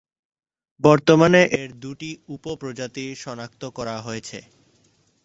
বর্তমানে এর দুটি উপ-প্রজাতি সনাক্ত করা হয়েছে।